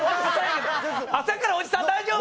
朝からおじさん大丈夫？